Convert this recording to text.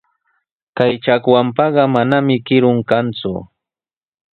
Kay chakwanpaqa mananami kirun kanku.